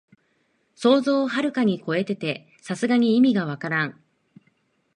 想像をはるかにこえてて、さすがに意味がわからん